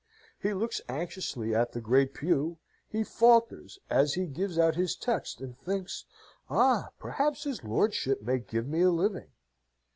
He looks anxiously at the Great Pew; he falters as he gives out his text, and thinks, "Ah! perhaps his lordship may give me a living!"